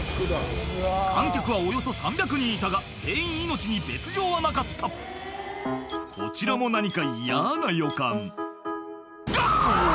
観客はおよそ３００人いたが全員命に別条はなかったこちらも何か嫌な予感どわ！